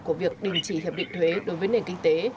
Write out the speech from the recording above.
của việc đình chỉ hiệp định thuế đối với nền kinh tế